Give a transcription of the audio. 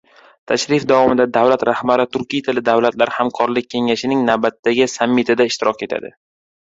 Tashrif davomida davlat rahbari Turkiy tilli davlatlar hamkorlik kengashining navbatdagi sammitida ishtirok etadi